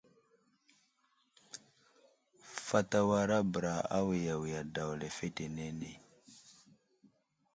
Fat awara bəra awiyawiga daw lefetenene.